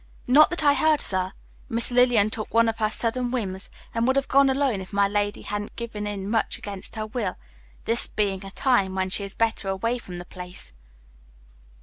"Not that I heard, sir. Miss Lillian took one of her sudden whims and would have gone alone, if my lady hadn't given in much against her will, this being a time when she is better away from the place."